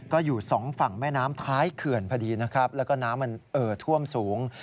ก็อยู่๒ฝั่งแม่น้ำท้ายเขื่อนพอดีครับแล้วน้ำมันเทิมสูง